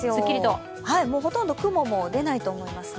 ほとんど雲も出ないと思いますね。